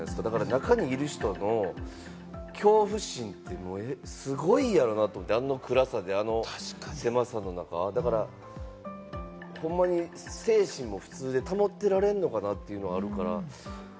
中にいる人の恐怖心というは、すごいやろなと思って、あの暗さで、あの狭さの中、ほんまに精神も普通に保ってられるのかなって。